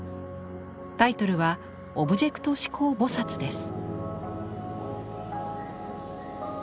タイトルは「オブジェクト指向菩」です。